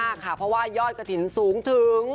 บุญกันมากค่ะเพราะว่ายอดกระถิ่นสูงถึง